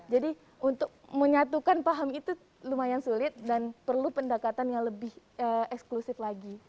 jadi untuk menyatukan paham itu lumayan sulit dan perlu pendekatan yang lebih eksklusif lagi